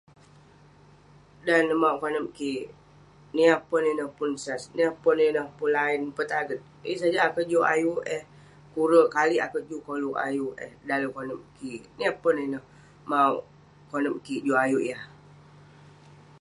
dan neh mauk konep kik niah pun ineh pun sas niah pun ineh pun laen petaget yeng sajak akeuk juk ayuk eh kure kali akeuk juk koluk ayuk eh dalem konep kik niah pun ineh mauk konep kik juk ayuk yah